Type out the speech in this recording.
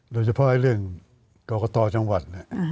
โดยเฉพาะเรื่องกรกตจังหวัด